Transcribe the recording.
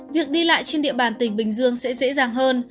việc đi lại trên địa bàn tỉnh bình dương sẽ dễ dàng hơn